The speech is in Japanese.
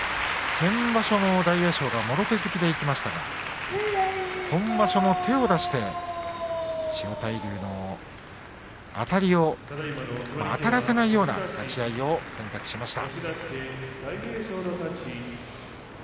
先場所も大栄翔がもろ手突きでいきましたが今場所も手を出して千代大龍にあたらせないような立ち合いを選択しました。